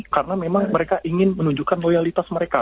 karena memang mereka ingin menunjukkan loyalitas mereka